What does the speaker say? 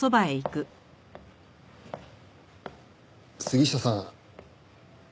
杉下さん。